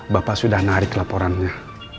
bapak sudah narik laporannya